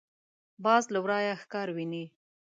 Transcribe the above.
باز له ورايه ښکار ویني